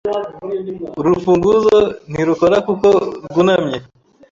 Uru rufunguzo ntirukora kuko rwunamye.